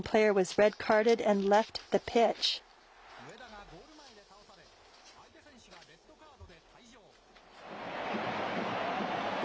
上田がゴール前で倒され、相手選手がレッドカードで退場。